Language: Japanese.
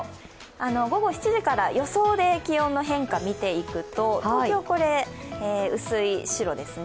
午後７時から予想で気温の変化を見ていくと東京、薄い白ですね。